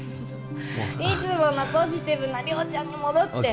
いつものポジティブな亮ちゃんに戻ってＯＫ